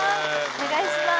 お願いします。